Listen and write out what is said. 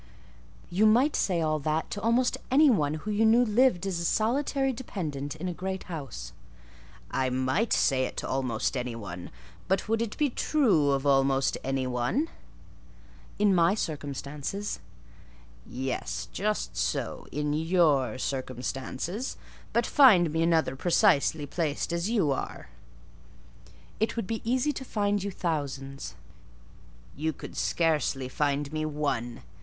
"You might say all that to almost any one who you knew lived as a solitary dependent in a great house." "I might say it to almost any one: but would it be true of almost any one?" "In my circumstances." "Yes; just so, in your circumstances: but find me another precisely placed as you are." "It would be easy to find you thousands." "You could scarcely find me one.